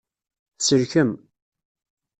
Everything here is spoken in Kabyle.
Tselkem.